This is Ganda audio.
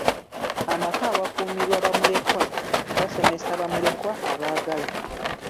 Amaka awakuumirwa bamulekwa gasomesa bamulekwa abaagala.